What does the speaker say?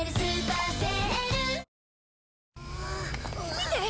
見て！